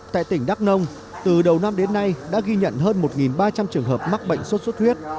tại tỉnh đắk nông từ đầu năm đến nay đã ghi nhận hơn một ba trăm linh trường hợp mắc bệnh sốt xuất huyết